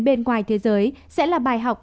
bên ngoài thế giới sẽ là bài học